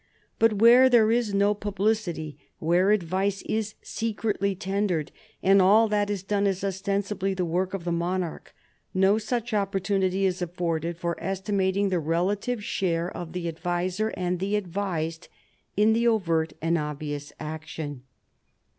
But where there is no publicity, where advice is secretly tendered, and all that is done is ostensibly the work of the monarch, no such opportunity is afforded for estimating the relative share of the adviser and the advised in the overt and obvious action.